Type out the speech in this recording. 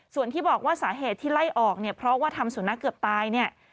ส่วนที่บอกว่าสาเหตุที่ไล่ออกเนี่ยเพราะว่าทำสุนัขเกือบตายเนี่ย